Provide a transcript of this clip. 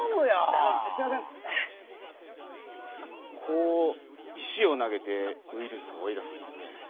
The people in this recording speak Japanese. こう石をなげてウイルスをおい出すんですね。